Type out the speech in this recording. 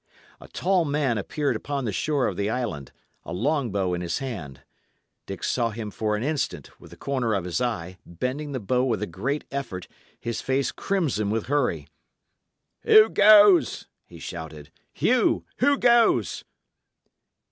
A tall man appeared upon the shore of the island, a long bow in his hand. Dick saw him for an instant, with the corner of his eye, bending the bow with a great effort, his face crimson with hurry. "Who goes?" he shouted. "Hugh, who goes?"